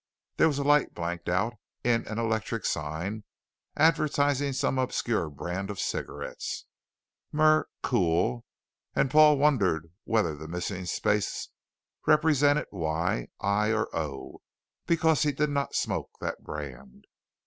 There was a light blanked out in an electric sign advertising some obscure brand of cigarettes Merr cool and Paul wondered quickly whether the missing space represented 'y' 'i' or 'o' because he did not smoke that brand.